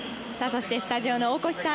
スタジオの大越さん